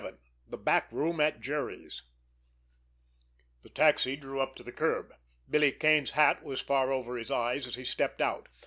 XI—THE BACK ROOM AT JERRY'S The taxi drew up to the curb. Billy Kane's hat was far over his eyes as he stepped out.